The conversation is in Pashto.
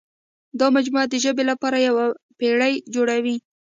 دا مجموعه د ژبې لپاره یوه پېړۍ جوړوي.